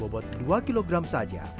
untuk mencapai dua kg saja